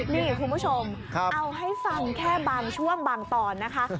นี่คุณผู้ชมเอาให้ฟังแค่บางช่วงบางตอนนะคะ